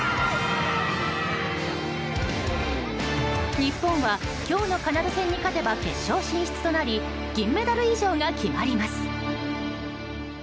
日本は今日のカナダ戦に勝てば決勝進出となり銀メダル以上が決まります。